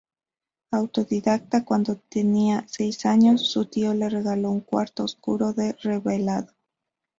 Autodidacta, cuando tenía seis años su tío le regaló un cuarto oscuro de revelado.